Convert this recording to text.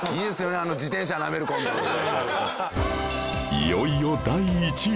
いよいよ第１位